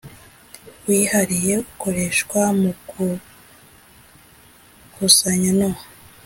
wihariye ukoreshwa mu gukusanya no